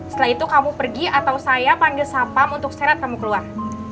setelah itu kamu pergi atau saya panggil sampam untuk saya lihat kamu keluar